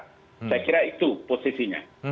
saya kira itu posisinya